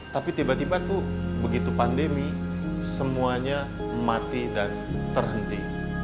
tapi tiba tiba tuh begitu pandemi semuanya mati dan terhenti